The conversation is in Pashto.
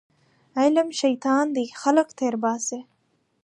علم شیطان دی خلک تېرباسي